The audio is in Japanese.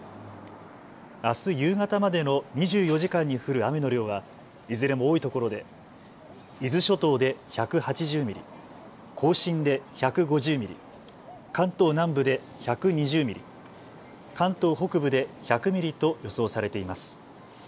あす夕方までの２４時間に降る雨の量はいずれも多いところで伊豆諸島で１８０ミリ、甲信で１５０ミリ、関東南部で１２０ミリ、関東北部で１００ミリと予想されています。